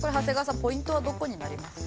ポイントはどこになりますか？